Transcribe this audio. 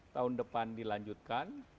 tahun depan dilanjutkan